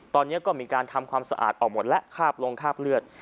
ตอนนี้ก็มีการทำความสะอาดออกหมดแล้วคาบลงคาบเลือด